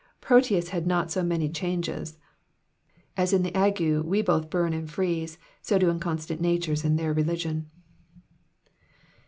Proteus had not so many changes. As in the ague we both burn and freeze, so do inconstant natures in their religion.